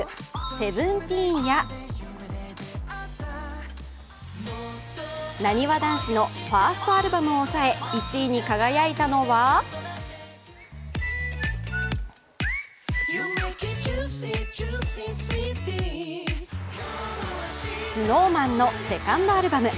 ＳＥＶＥＮＴＥＥＮやなにわ男子のファーストアルバムを抑え１位に輝いたのはＳｎｏｗＭａｎのセカンドアルバム。